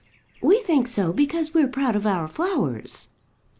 "We think so because we're proud of our flowers."